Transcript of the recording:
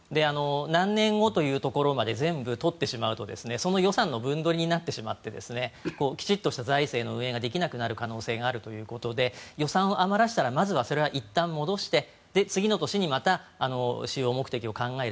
何年後というところまで全部取ってしまうとその予算の分捕りになってしまってきちんとした財政の運営ができなくなる可能性があるということで予算を余らせたらまずはそれをいったん戻して次の年に、また使用目的を考える。